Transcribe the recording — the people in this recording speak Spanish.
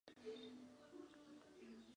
Obradoiro de la liga Leb Oro.